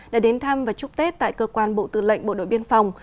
đã đến thăm và chúc tết tại cơ quan bộ tư lệnh bộ đội biên phòng